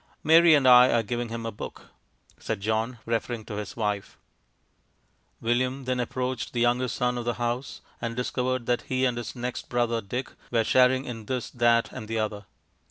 "Mary and I are giving him a book," said John, referring to his wife. William then approached the youngest son of the house, and discovered that he and his next brother Dick were sharing in this, that, and the other.